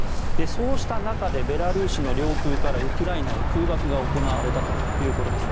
そうした中でベラルーシの領空からウクライナへ空爆が行われたということです。